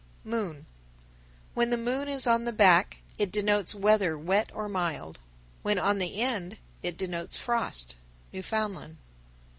990. When the moon is on the back, it denotes weather wet or mild; when on the end, it denotes frost. _Newfoundland.